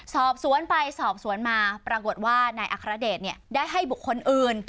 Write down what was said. สอบสวนไปสอบสวนมาปรากฏว่านายอัครเดชได้ให้บุคคลอื่น